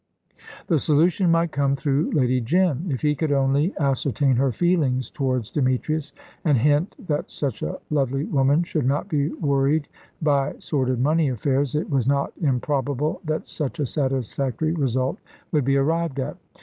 The solution might come through Lady Jim. If he could only ascertain her feelings towards Demetrius, and hint that such a lovely woman should not be worried by sordid money affairs, it was not improbable that such a satisfactory result would be arrived at.